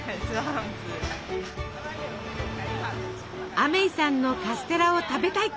アメイさんのカステラを食べたい。